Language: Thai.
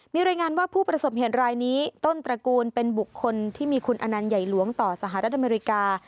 มีรายงานว่าผู้ประสบเหตุรายนี้ต้นตระกูลเป็นบุคคลที่มีคุณอนันต์ใหญ่หลวงต่อสหรัฐอเมริกา